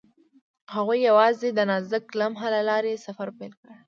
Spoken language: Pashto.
هغوی یوځای د نازک لمحه له لارې سفر پیل کړ.